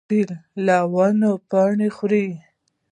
فیل له ونو پاڼې خوري.